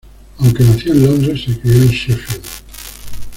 Aunque nació en Londres, se crio en Sheffield.